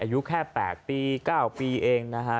อายุแค่๘ปี๙ปีเองนะฮะ